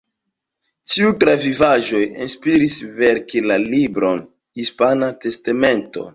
Tiuj travivaĵoj inspiris verki la libron „Hispana Testamento“.